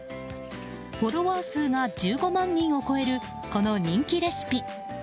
フォロワー数が１５万人を超えるこの人気レシピ。